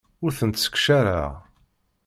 Ur tent-sseqcareɣ.